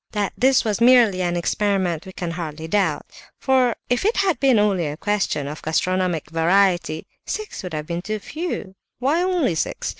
That this was merely an experiment we can hardly doubt: for if it had been only a question of gastronomic variety, six would have been too few; why only six?